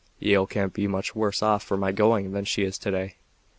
Yale can't be much worse off for my going than she is to day."